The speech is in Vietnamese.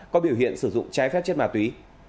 có biểu hiện sử dụng trái phép chất ma túy